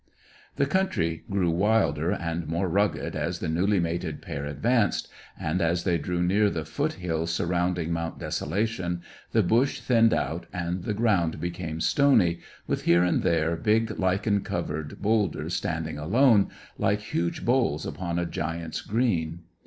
The country grew wilder and more rugged as the newly mated pair advanced, and as they drew near the foot hills surrounding Mount Desolation, the bush thinned out, and the ground became stony, with here and there big lichen covered boulders standing alone, like huge bowls upon a giants' green.